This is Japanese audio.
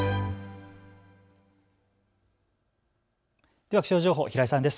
では気象情報、平井さんです。